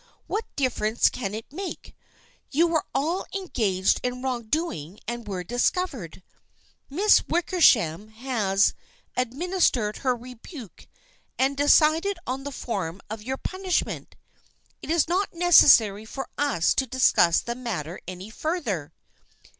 What difference can it make ? You were all engaged in wrong doing and were discovered. Miss Wickersham has 266 THE FRIENDSHIP OF ANNE administered her rebuke and decided on the form of your punishment. It is not necessary for us to discuss the matter any further."